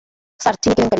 Sir, চিনি কেলেংকারী?